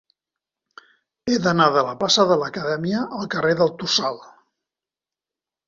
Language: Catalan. He d'anar de la plaça de l'Acadèmia al carrer del Tossal.